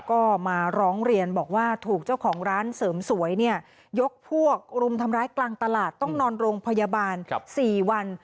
ก็มาร้องเรียนบอกว่าถูกเจ้าของร้านเสริมสวยยกพวกรุมทำร้ายกลางตลาดต้องนอนโรงพยาบาล๔วัน